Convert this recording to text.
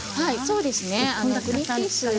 そうですね。